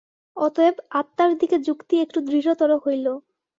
অতএব আত্মার দিকে যুক্তি একটু দৃঢ়তর হইল।